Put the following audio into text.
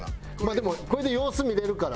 でもこれで様子見れるから。